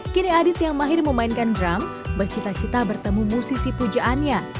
kini adit yang mahir memainkan drum bercita cita bertemu musisi pujaannya